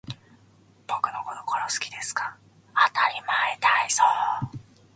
僕のこと殺す気ですか